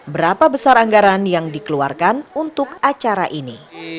berapa besar anggaran yang dikeluarkan untuk acara ini